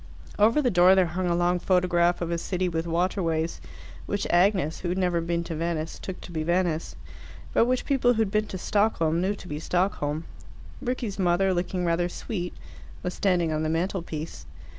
Over the door there hung a long photograph of a city with waterways, which Agnes, who had never been to Venice, took to be Venice, but which people who had been to Stockholm knew to be Stockholm. Rickie's mother, looking rather sweet, was standing on the mantelpiece.